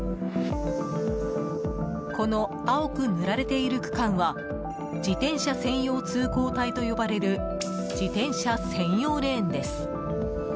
この青く塗られている区間は自転車専用通行帯と呼ばれる自転車専用レーンです。